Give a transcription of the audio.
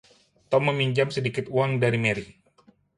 Tom meminjam sedikit uang dari Mary.